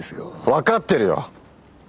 分かってるよ！